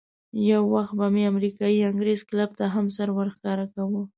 یو وخت به مې امریکایي انګرېز کلب ته هم سر ورښکاره کاوه.